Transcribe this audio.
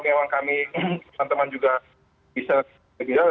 memang kami teman teman juga bisa lebih jauh